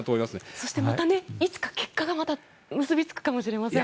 そして、また結果が結びつくかもしれません。